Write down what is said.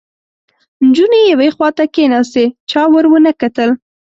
نجونې یوې خواته کېناستې، چا ور ونه کتل